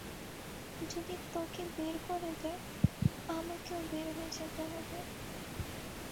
যদি তোকে বের করে দেয়, আমাকেও বের হয়ে যেতে হবে।